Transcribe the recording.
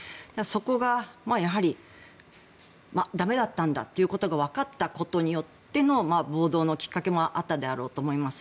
そこがやはり駄目だったんだということがわかったことによっての暴動のきっかけもあっただろうと思います。